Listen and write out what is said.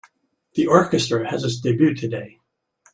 The orchestra has its debut today.